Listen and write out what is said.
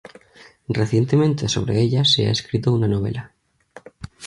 Recientemente sobre ella se ha escrito una novela.